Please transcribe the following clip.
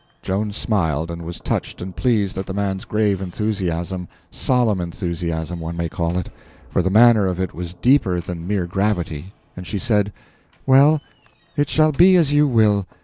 Joan smiled, and was touched and pleased at the man's grave enthusiasm—solemn enthusiasm, one may call it, for the manner of it was deeper than mere gravity—and she said: "Well, it shall be as you will.